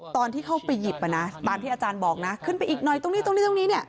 ตอนที่เข้าไปหยิบตามที่อาจารย์บอกนะขึ้นไปอีกหน่อยตรงนี้ตรงนี้ตรงนี้เนี่ย